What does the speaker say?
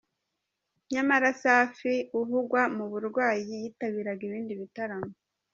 Nyamara Safi uvugwa mu burwayi yitabiraga ibindi bitaramo.